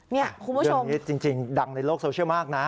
คุณผู้ชมเรื่องนี้จริงดังในโลกโซเชียลมากนะ